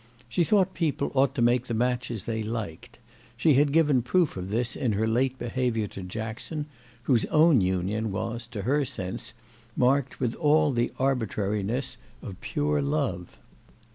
She thought people ought to make the matches they liked; she had given proof of this in her late behaviour to Jackson, whose own union was, to her sense, marked with all the arbitrariness of pure love.